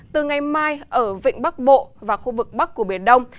từ ngày mai ở vịnh bắc bộ và khu vực bắc của biển đông